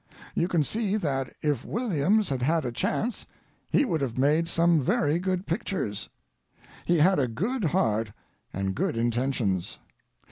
You can see that if Williams had had a chance he would have made some very good pictures. He had a good heart and good intentions.